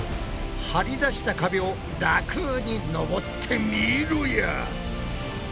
張り出した壁を楽に登ってみろや！